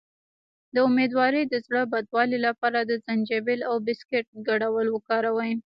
د امیدوارۍ د زړه بدوالي لپاره د زنجبیل او بسکټ ګډول وکاروئ